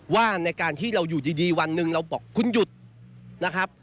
ว่าในการที่เราอยู่ดีวันหนึ่งเราบอกคุณหยุดนะครับ